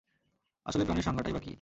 আসলে প্রাণের সংজ্ঞাটাই বা কী?